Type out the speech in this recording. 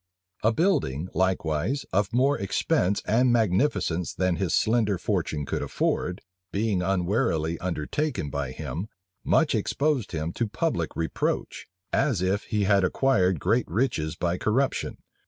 A building, likewise, of more expense and magnificence than his slender fortune could afford, being unwarily undertaken by him, much exposed him to public reproach, as if he had acquired great riches by corruption.